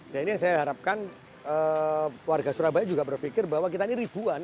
dan ini yang saya harapkan warga surabaya juga berpikir bahwa kita ini ribuan